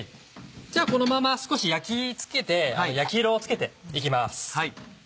じゃあこのまま少し焼き色をつけていきます。